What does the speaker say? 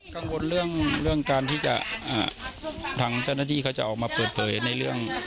กังวลเรื่องการที่จะทางเจ้าหน้าที่เขาจะออกมาเปิดเผยในเรื่อง